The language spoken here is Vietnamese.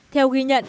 theo ghi nhận